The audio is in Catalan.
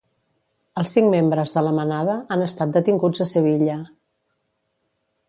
Els cinc membres de "la Manada" han estat detinguts a Sevilla.